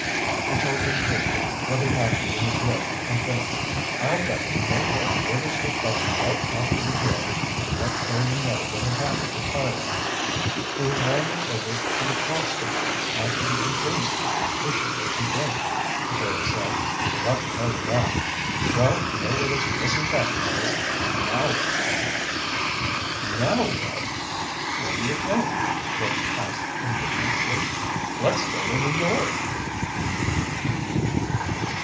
He told them quickly what had happened in the grill and finished, "I'll bet the mate had orders to phone right after the hearing and let Killian know what had happened to Tyler." "He was handed over to the constable after the insurance company issued a complaint," Jerry said. "Forgot to tell you that. Well, we know where this missing captain is. Now what?" "Now what! What do you think?" Rick asked indignantly. "Let's go to New York!"